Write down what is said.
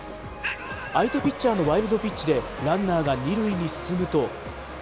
相手ピッチャーのワイルドピッチで、ランナーが２塁に進むと。